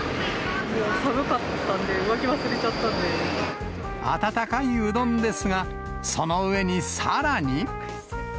寒かったんで、上着忘れちゃった温かいうどんですが、その上にさらに。